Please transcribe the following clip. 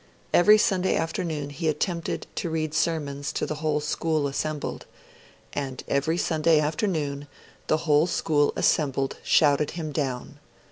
Every Sunday afternoon he attempted to read sermons to the whole school assembled; and every Sunday afternoon the whole school assembled shouted him down.